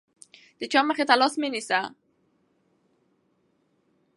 د چا مخې ته لاس مه نیسه.